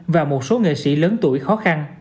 và một số nghệ sĩ lớn tuổi khó khăn